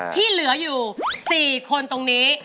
ที่เหลืออยู่๔คนตรงนี้